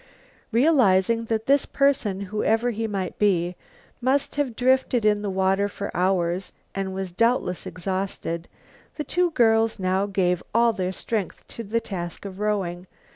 Realizing that this person, whoever he might be, must have drifted in the water for hours and was doubtless exhausted, the two girls now gave all their strength to the task of rowing.